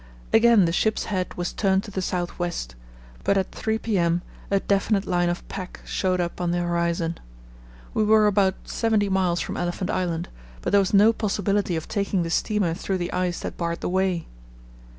Again the ship's head was turned to the south west, but at 3 p.m. a definite line of pack showed up on the horizon. We were about 70 miles from Elephant Island, but there was no possibility of taking the steamer through the ice that barred the way.